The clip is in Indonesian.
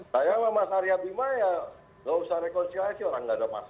saya sama mas arya bima ya nggak usah rekonsiliasi orang nggak ada masalah